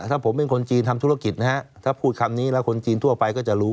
ถ้าผมเป็นคนจีนทำธุรกิจนะฮะถ้าพูดคำนี้แล้วคนจีนทั่วไปก็จะรู้